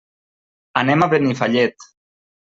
Anem a Benifallet.